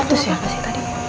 itu siapa sih tadi